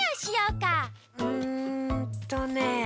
うんとね。